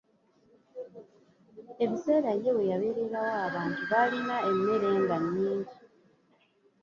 Ebiseera ye weyabeererawo abantu baalina emmere nga nnyingi.